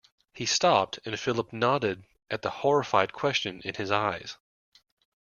He stopped, and Philip nodded at the horrified question in his eyes.